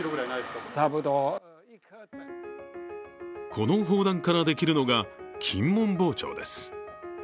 この砲弾からできるのが金門包丁です。